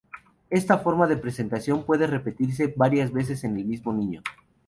Esta forma de presentación puede repetirse varias veces en el mismo niño.